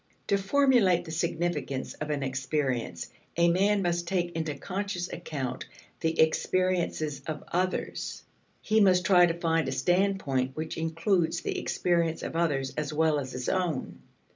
To formulate the significance of an experience a man must take into conscious account the experiences of others. He must try to find a standpoint which includes the experience of others as well as his own.